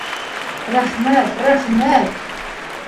Рәхмәт, рәхмәт!